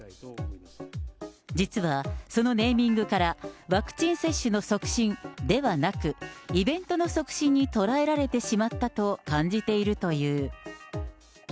実はそのネーミングから、ワクチン接種の促進ではなく、イベントの促進に捉えられてしまったと感じているという。